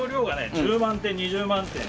１０万点２０万点。